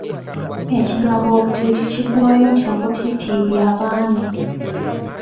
Ekigambo obutiiti kiggwayo nti obutiitiibyabaami.